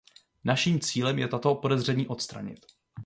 Naším cílem je tato podezření odstranit.